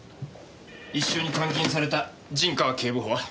一緒に監禁された陣川警部補は？